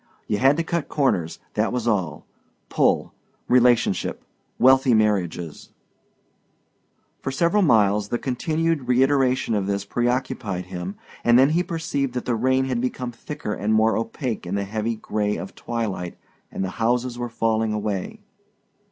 You had to cut corners, that was all. Pull relationship wealthy marriages For several miles the continued reiteration of this preoccupied him and then he perceived that the rain had become thicker and more opaque in the heavy gray of twilight and that the houses were falling away.